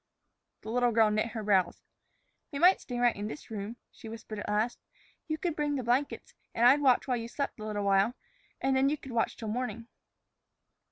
The little girl knit her brows. "We might stay right in this room," she whispered at last. "You could bring in the blankets and I'd watch while you slept a little while; and then you could watch till morning."